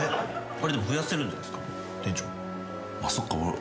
増やせるんじゃないですか？